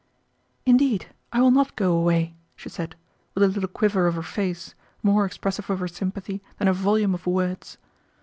"Indeed I will not go away," she said, with a little quiver of her face, more expressive of her sympathy than a volume of words.